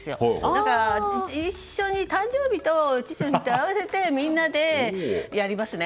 だから誕生日と父の日と合わせてみんなでやりますね。